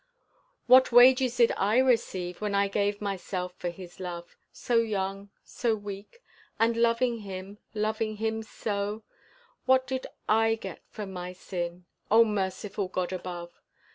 What wages did I receive when I gave myself for his love, So young, so weak, and loving him, loving him so What did I get for my sin, O merciful God above!